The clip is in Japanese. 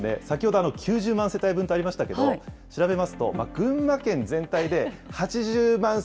先ほど、９０万世帯分とありましたけど、調べますと、群馬県全体で８０万